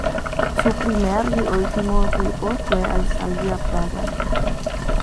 Su primer y último equipo fue el Slavia Praga.